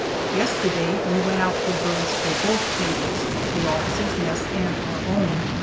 Yesterday we went out for birds for both tables the officers' mess and our own.